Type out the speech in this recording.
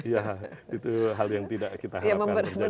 ya itu hal yang tidak kita harapkan terjadi